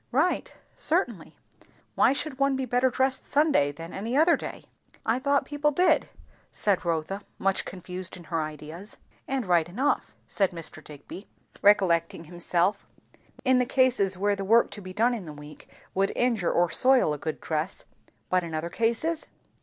"Eight? certainly. Why should one be better dressed Sunday than any other day?" "I thought people did " said Rotha, much confused in her ideas. "And right enough," said Mr. Digby, recollecting himself, "in the cases where the work to be done in the week would injure or soil a good dress. But in other cases?